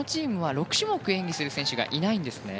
６種目演技する選手がいないんですね。